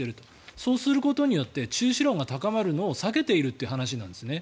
そうすることによって中止論が高まるのを避けているっていう話なんですね。